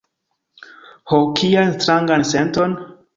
Ho, kian strangan senton!